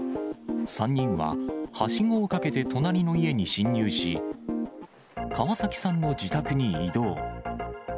３人は、はしごをかけて隣の家に侵入し、川崎さんの自宅に移動。